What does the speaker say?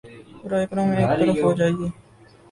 براہ کرم ایک طرف ہو جایئے